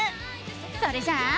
それじゃあ。